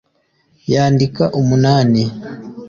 yandika umunani